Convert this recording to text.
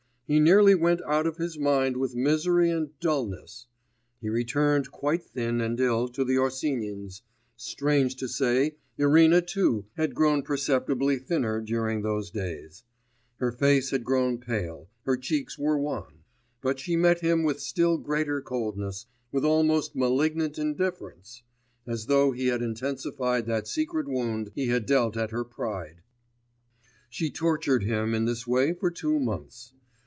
He nearly went out of his mind with misery and dulness; he returned quite thin and ill to the Osinins'.... Strange to say, Irina too had grown perceptibly thinner during those days; her face had grown pale, her cheeks were wan.... But she met him with still greater coldness, with almost malignant indifference; as though he had intensified that secret wound he had dealt at her pride.... She tortured him in this way for two months.